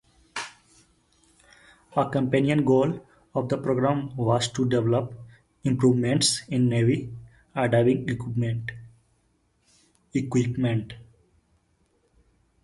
A companion goal of the program was to develop improvements in Navy diving equipment.